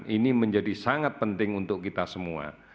ini menjadi sangat penting untuk kita semua